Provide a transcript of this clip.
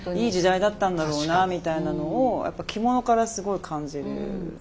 いい時代だったんだろうなみたいなのを着物からすごい感じる。